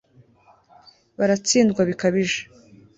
baratsindwa bikabije